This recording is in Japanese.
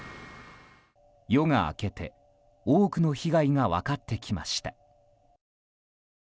夜が明けて多くの被害が分かってきました。